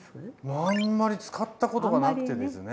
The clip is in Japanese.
あんまり使ったことがなくてですね。